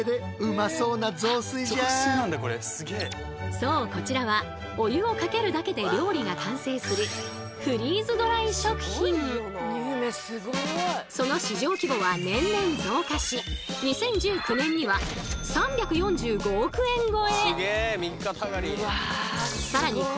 そうこちらはお湯をかけるだけで料理が完成するその市場規模は年々増加し２０１９年には３４５億円超え！